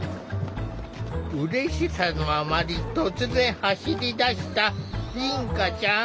うれしさのあまり突然走り出した凛花ちゃん。